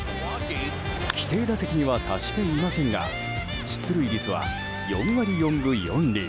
規定打席には達していませんが出塁率は４割４分４厘。